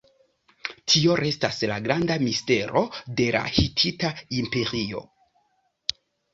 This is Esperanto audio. Tio restas la granda mistero de la Hitita Imperio.